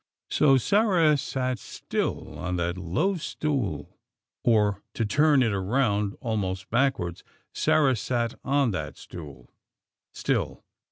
So Sarah still sat on that low stool; or, to turn it around almost backwards, Sarah sat on that stool, still.